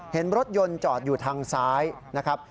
เห็นรถยนต์จอดอยู่ทางซ้ายนะครับ